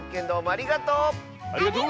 ありがとう！